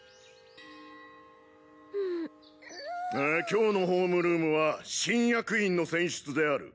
今日のホームルームは新役員の選出である。